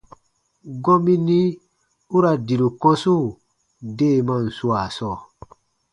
Gɔmini u ra diru kɔ̃su deemaan swaa sɔɔ,